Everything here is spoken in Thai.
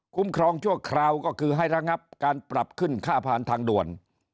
ครองชั่วคราวก็คือให้ระงับการปรับขึ้นค่าผ่านทางด่วน